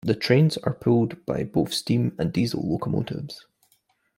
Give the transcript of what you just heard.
The trains are pulled by both steam and diesel locomotives.